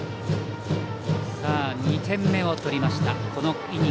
２点目を取りました。